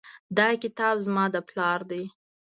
دا کتاب زما د پلار ده